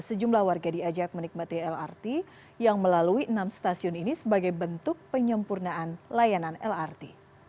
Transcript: sejumlah warga diajak menikmati lrt yang melalui enam stasiun ini sebagai bentuk penyempurnaan layanan lrt